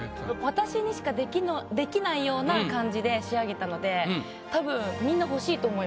私にしかできないような感じで仕上げたのでたぶんみんな欲しいと思います。